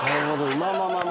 「うまままま！！」。